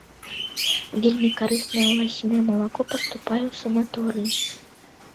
Вельмі карыснае ласінае малако паступае ў санаторыі.